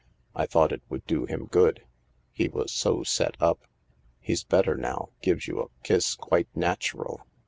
"I thought it would do him good. He was so set up. He's better now — gives you a kiss quite natural.